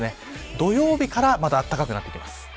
土曜日からまた暖かくなってきます。